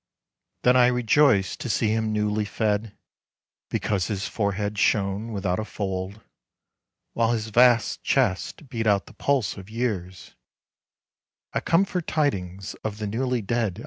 Then I rejoiced to see him newly fed, Because his forehead shone without a fold, While his vast chest beat out the pulse of years ;" I come for tidings of the newly dead